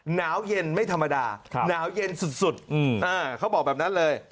หนาวเย็นไม่ธรรมดาหนาวเย็นสุดเขาบอกแบบนั้นเลย